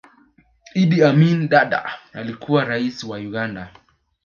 idd amin dada alikuwa raisi wa uganda